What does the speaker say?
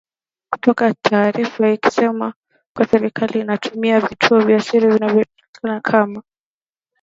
kutoa taarifa ikisema kuwa serikali inatumia vituo vya siri vinavyojulikana kama